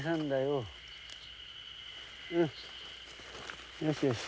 うんよしよし。